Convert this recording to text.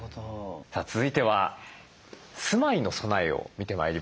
さあ続いては住まいの備えを見てまいりましょう。